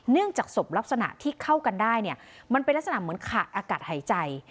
จากศพลักษณะที่เข้ากันได้เนี่ยมันเป็นลักษณะเหมือนขาดอากาศหายใจ